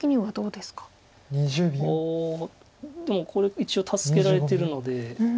ああでもこれ一応助けられてるので。